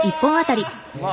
うわ！